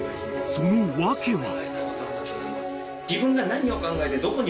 ［その訳は？］